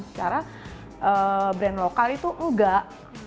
secara brand lokal itu enggak